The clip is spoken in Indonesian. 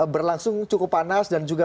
berlangsung cukup panas dan juga